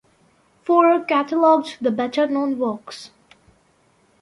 Forrer catalogued the better known works.